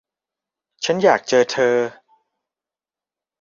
ฉันอยากเจอเธอ